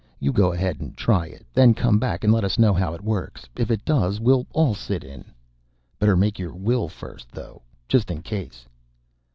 "You go ahead and try it; then come back and let us know how it works. If it does, we'll all sit in." "Better make your will first, though, just in case."